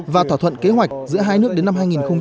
và thỏa thuận kế hoạch giữa hai nước đến năm hai nghìn năm mươi